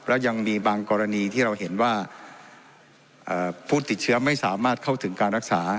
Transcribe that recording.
และยังมีบางกรณีที่เราเห็นว่าผู้ติดเชื้อไม่สามารถเข้าถึงการรักษา